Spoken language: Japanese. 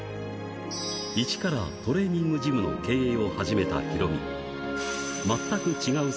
一からトレーニングジムの経営を始めたヒロミ。